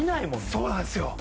そうなんですよ